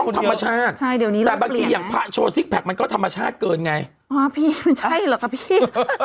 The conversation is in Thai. ต้องธรรมชาติแต่บางทีอย่างพระโชว์ซิกแพ็คมันก็ธรรมชาติเกินไงว้าวพี่มันใช่หรอคะพี่